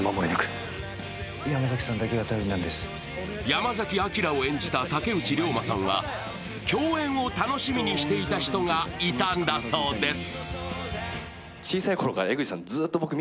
山崎瑛を演じた竹内涼真さんは共演を楽しみにしていた人がいたんだそうです。